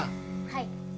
はい。